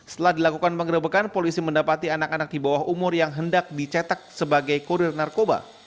setelah dilakukan pengerebekan polisi mendapati anak anak di bawah umur yang hendak dicetak sebagai kurir narkoba